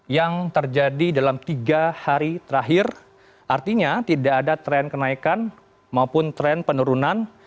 yang terjadi dalam tiga hari terakhir artinya tidak ada tren kenaikan maupun tren penurunan